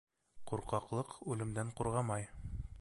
Ҡурҡаҡлыҡ үлемдән ҡурғамай.